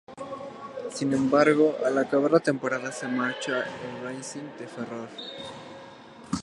Sin embargo al acabar la temporada se marcha al Racing de Ferrol.